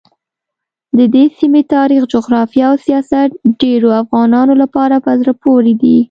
ددې سیمې تاریخ، جغرافیه او سیاست ډېرو افغانانو لپاره په زړه پورې دي.